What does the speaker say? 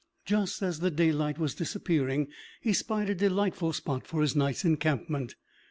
Just as the daylight was disappearing, he spied a delightful spot for his night's encampment.